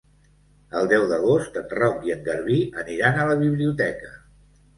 El deu d'agost en Roc i en Garbí aniran a la biblioteca.